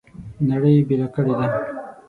نړۍ یې بېله کړې ده.